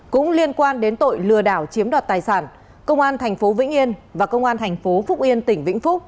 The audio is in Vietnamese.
cũng liên quan đến tội lừa đảo chiếm đoạt tài sản công an tp vĩnh yên và công an tp phúc yên tỉnh vĩnh phúc